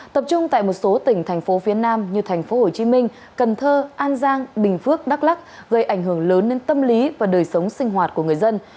tập trung tại một số tỉnh thành phố phía nam như thành phố hồ chí minh cần thơ an giang bình phước đắk lắc gây ảnh hưởng lớn đến tâm lý và đời sống sinh hoạt của người dân